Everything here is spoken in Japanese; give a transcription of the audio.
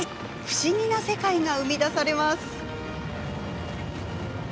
不思議な世界が生み出されます。